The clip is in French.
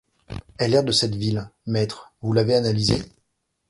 Et l’air de cette ville, maître, vous l’avez analysé ?